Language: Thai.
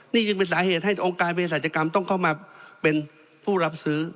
นี่จึงเป็นสาเหตุให้องค์การเพศศาจกรรมต้องเข้ามาเป็นผู้รับซื้อ